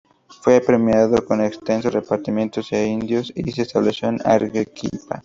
Fue premiado con extensos repartimientos de indios y se estableció en Arequipa.